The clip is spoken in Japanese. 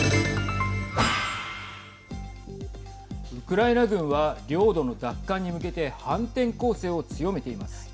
ウクライナ軍は領土の奪還に向けて反転攻勢を強めています。